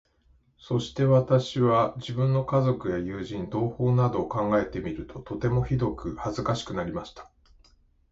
そして私は、自分の家族や友人、同胞などを考えてみると、とてもひどく恥かしくなりました。